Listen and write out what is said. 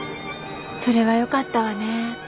それはよかったわね。